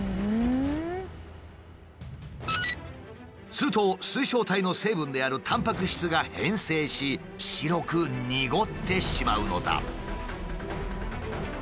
すると水晶体の成分であるタンパク質が変性し白く濁ってしまうのだ。